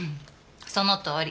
そのとおり。